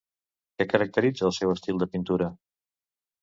Què caracteritza el seu estil de pintura?